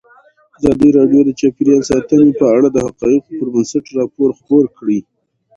ازادي راډیو د چاپیریال ساتنه په اړه د حقایقو پر بنسټ راپور خپور کړی.